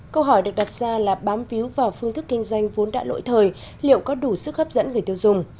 câu hỏi được đặt ra là bám víu vào phương thức kinh doanh vốn đã lỗi thời liệu có đủ sức hấp dẫn người tiêu dùng